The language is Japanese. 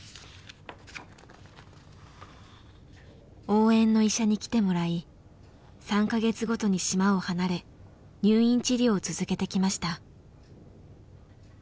応援の医者に来てもらい３か月ごとに島を離れ入院治療を続けてきました。